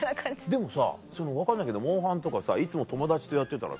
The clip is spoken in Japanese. でも分かんないけど『モンハン』とかいつも友達とやってたらさ。